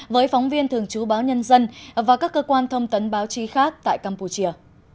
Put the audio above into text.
với phóng viên thường trú báo nhân dân và các cơ quan thông tấn báo chí khác tại campuchia